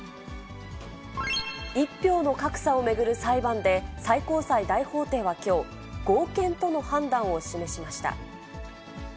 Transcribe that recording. １票の格差を巡る裁判で、最高裁大法廷はきょう、合憲との判断を示しました。